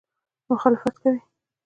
مخالفت کوي.